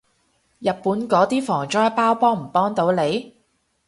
日本嗰啲防災包幫唔幫到你？